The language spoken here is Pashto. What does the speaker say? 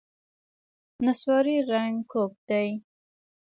نسواري رنګ کږ دی.